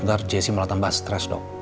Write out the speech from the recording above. ntar jessy malah tambah stres dok